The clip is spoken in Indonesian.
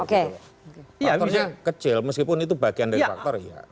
faktornya kecil meskipun itu bagian dari faktor ya